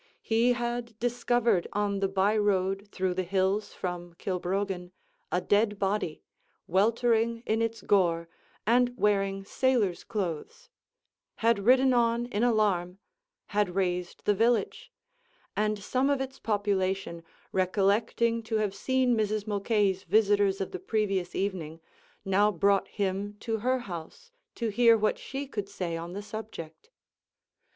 He had discovered on the by road through the hills from Kilbroggan, a dead body, weltering in its gore, and wearing sailor's clothes; had ridden on in alarm; had raised the village; and some of its population, recollecting to have seen Mrs. Mulcahy's visitors of the previous evening, now brought him to her house to hear what she could say on the subject.